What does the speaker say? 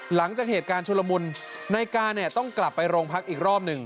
หลังจากเหตุการณ์ชุลมุนนายกาเนี่ยต้องกลับไปโรงพักอีกรอบหนึ่ง